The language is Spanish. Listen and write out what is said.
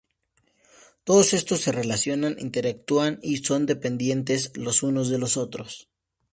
Todos estos se relacionan, interactúan, y son dependientes los unos de los otros.